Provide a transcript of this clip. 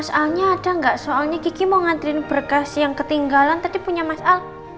mbak masalnya ada gak soalnya kiki mau ngantriin berkas yang ketinggalan tadi punya masal